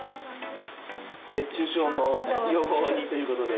熱中症の予防にということで、